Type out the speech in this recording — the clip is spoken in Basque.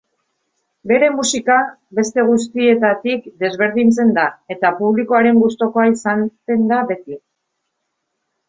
Bere musika beste guztietatik desberdintzen da eta publikoaren gustukoa izanen da beti.